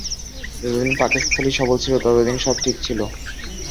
যতদিন পাকস্থলী সবল ছিল, ততদিন সব ঠিক ছিল।